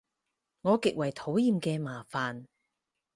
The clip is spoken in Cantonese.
我極為討厭嘅麻煩